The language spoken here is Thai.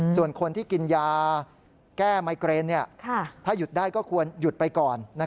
ส่วนคนที่กินยาแก้ไมเกรนถ้าหยุดได้ก็ควรหยุดไปก่อน